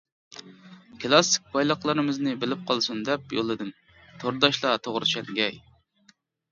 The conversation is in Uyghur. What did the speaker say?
كىلاسسىك بايلىقلىرىمىزنى بىلىپ قالسۇن دەپ يوللىدىم، تورداشلار توغرا چۈشەنگەي!